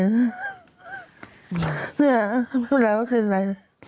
เนื้อไหลแล้วก็เคลิ้นแล้ว